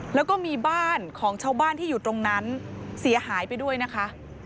แล้วก็มีบ้านของชาวบ้านที่อยู่ตรงนั้นเสียหายไปด้วยนะคะ